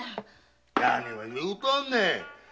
何言うとんねん。